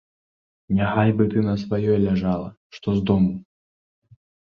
Няхай бы ты на сваёй ляжала, што з дому.